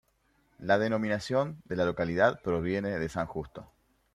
La denominación de la localidad proviene de San Justo.